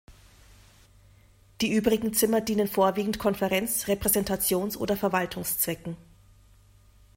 Die übrigen Zimmer dienen vorwiegend Konferenz-, Repräsentations- oder Verwaltungszwecken.